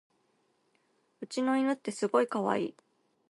うちの犬ってすごいかわいい